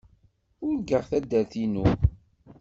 Urgaɣ taddart-inu.